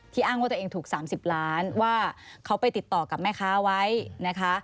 อ้างว่าตัวเองถูก๓๐ล้านว่าเขาไปติดต่อกับแม่ค้าไว้นะคะ